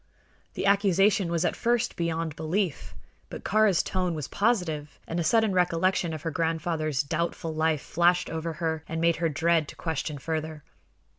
The accusation was at first beyond belief; but Kāra's tone was positive and a sudden recollection of her grandfather's doubtful life flashed over her and made her dread to question further.